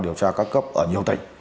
điều tra các cấp ở nhiều tỉnh